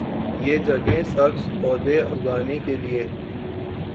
یہ جگہیں سبز پودے اگانے کے لئے